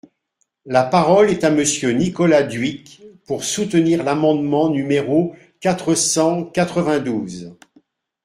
La parole est à Monsieur Nicolas Dhuicq, pour soutenir l’amendement numéro quatre cent quatre-vingt-douze.